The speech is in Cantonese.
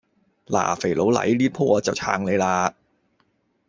嗱，肥佬黎，呢舖我就撐你嘞